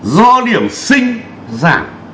do điểm sinh giảm